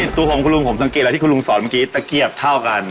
ตัวของคุณลุงผมสังเกตอะไรที่คุณลุงสอนเมื่อกี้ตะเกียบเท่ากัน